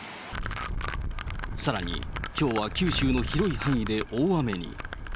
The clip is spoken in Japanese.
さらに、きょうは九州の広い範囲で大雨に。